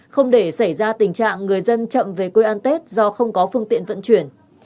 không để xảy ra tình trạng người dân chậm về quê an tết do không có phương tiện vận chuyển